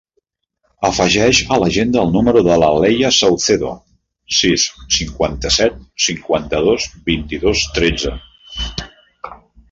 Afegeix a l'agenda el número de la Leia Saucedo: sis, cinquanta-set, cinquanta-dos, vint-i-dos, tretze.